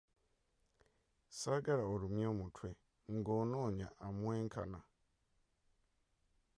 Ssaagala olumye mutwe ng'onoonya amwenkana.